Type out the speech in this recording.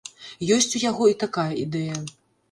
Ёсць у яго і такая ідэя.